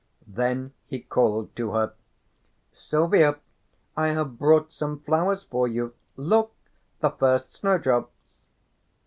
Then he called to her: "Silvia, I have brought some flowers for you. Look, the first snowdrops."